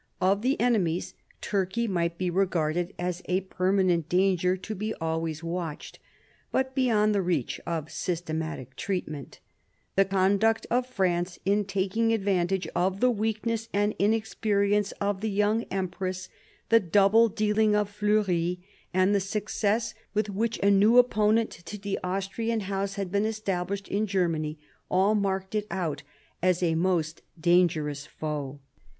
Of the enemies, Turkey might be regarded as a permanent danger, to be always watched, but beyond the reach of systematic treatment The conduct of France in taking advantage of the weakness and inexperience of the young empress, the double dealing of Fleury, and the success with which a new 1748 55 CHANGE OF ALLIANCES 89 opponent to the Austrian House had been established in Germany, all marked it out as a most dangerous foe.